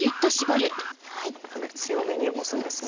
かなり強めに押すんですね。